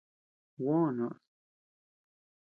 Juó noʼös.